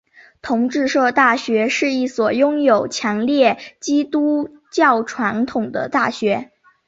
同志社大学是一所拥有强烈基督教传统的大学。